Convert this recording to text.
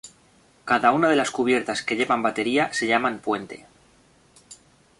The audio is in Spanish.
Cada una de las cubiertas que llevan batería se llama puente.